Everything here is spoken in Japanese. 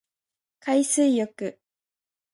海水浴